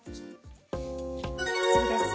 次です。